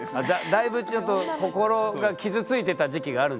だいぶちょっと心が傷ついてた時期があるんですね。